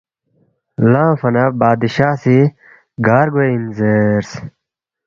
لنگفا نہ بادشاہ سی گار گوے اِن؟ زیرس